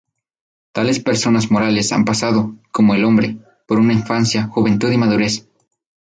Tales personas morales han pasado, como el hombre, por una infancia, juventud y madurez.